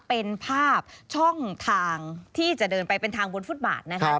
เป็นภาพช่องทางที่จะเดินไปเป็นทางบนฟุตบาทนะครับ